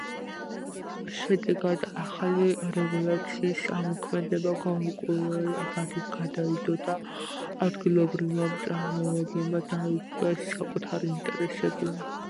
შედეგად, ახალი რეგულაციის ამოქმედება გაურკვეველი ვადით გადაიდო და ადგილობრივმა მწარმოებლებმა დაიცვეს საკუთარი ინტერესები.